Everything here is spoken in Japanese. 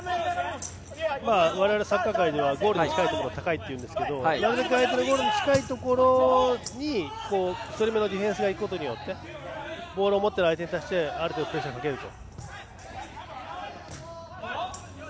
我々サッカー界ではゴールに近いところを高いというんですけどなるべく相手のゴールに近いところに１人目のディフェンスがいくことでボールを持っている相手に対してある程度プレッシャーをかけられると。